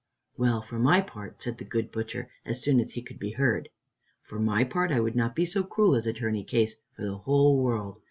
"Well, for my part," said the good butcher, as soon as he could be heard, "for my part I would not be so cruel as Attorney Case for the whole world.